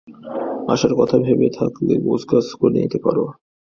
আসার কথা ভেবে থাকলে গোছগাছ করে নিতে পারো।